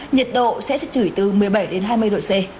nhiệt độ sẽ chỉ từ một mươi bảy đến hai mươi độ c